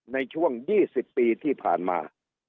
ในช่วง๒๐ปีที่ผ่านมา